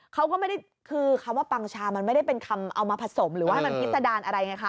เขาก็ไม่ได้คือคำว่าปังชามันไม่ได้เป็นคำเอามาผสมหรือว่าให้มันพิษดารอะไรไงคะ